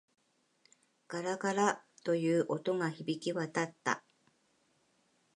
ガラガラ、という音が響き渡った。